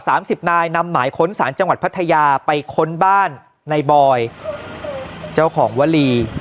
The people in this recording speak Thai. สิบนายนำหมายค้นสารจังหวัดพัทยาไปค้นบ้านในบอยเจ้าของวลี